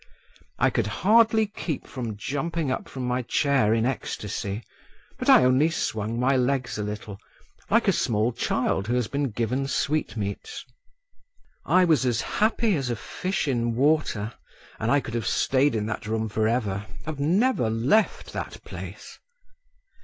I could hardly keep from jumping up from my chair in ecstasy, but I only swung my legs a little, like a small child who has been given sweetmeats. I was as happy as a fish in water, and I could have stayed in that room for ever, have never left that place.